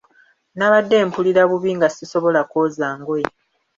Nabadde mpulira bubi nga sisobola kwoza ngoye.